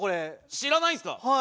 知らないんすか？